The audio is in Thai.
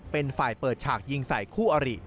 เป็นฝ่ายเปิดฉากยิงใส่คู่อริ